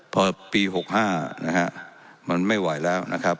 พอปี๖๕นะฮะมันไม่ไหวแล้วนะครับ